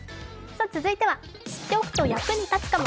続いては知っておくと役に立つかも。